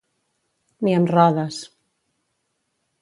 Ni amb rodes.